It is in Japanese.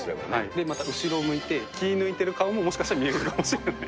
で、また後ろを向いて、気、抜いてる顔ももしかしたら見れるかもしれない。